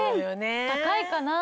高いかな？